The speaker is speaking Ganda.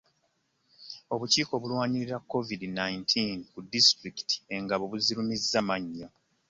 Obukiiko obulwanyisa coovid nineteen ku disitulikiti engabo bugirumizza mannyo.